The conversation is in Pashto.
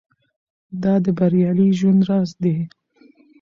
دا د بریالي ژوند راز دی.